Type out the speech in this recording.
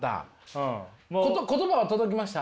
言葉は届きました？